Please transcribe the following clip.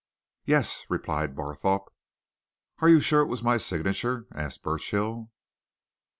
"Yes," replied Barthorpe. "Are you sure it was my signature?" asked Burchill.